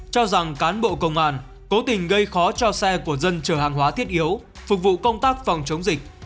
cho rằng cán bộ công an cố tình gây khó cho xe của dân chở hàng hóa thiết yếu phục vụ công tác phòng chống dịch